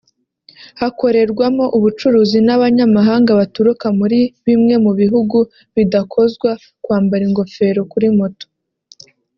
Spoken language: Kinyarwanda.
hakorerwamo ubucuruzi n’abanyamahanga baturuka muri bimwe mu bihugu bidakozwa kwambara ingofero kuri moto